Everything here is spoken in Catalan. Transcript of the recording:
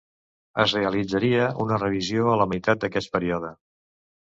Es realitzaria una revisió a la meitat d'aquest període.